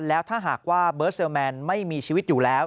แล้วถ้าหากว่าเบิร์ดเซลแมนไม่มีชีวิตอยู่แล้ว